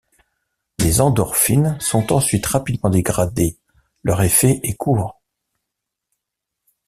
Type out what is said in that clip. Les endorphines sont ensuite rapidement dégradées, leur effet est court.